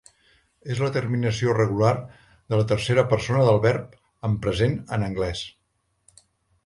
És la terminació regular de la tercera persona del verb en present en anglès.